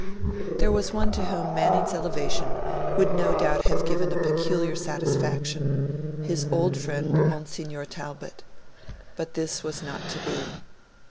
There was one to whom Manning's elevation would no doubt have given a peculiar satisfaction his old friend Monsignor Talbot. But this was not to be.